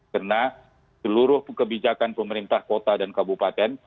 karena seluruh kebijakan pemerintah kota dan kabupaten